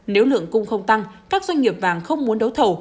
nếu lượng cung không tăng các doanh nghiệp vàng không muốn đấu thầu